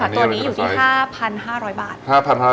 ตัวนี้อยู่ที่๕๕๐๐บาท